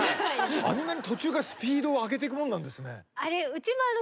あんなに途中からスピードを上げてくもんなんですね。